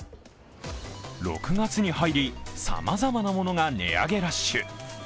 ６月に入り、さまざまなものが値上げラッシュ。